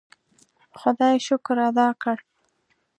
خدای شکر ادا کړ.